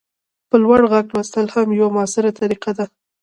په لوړ غږ لوستل هم یوه مؤثره طریقه ده.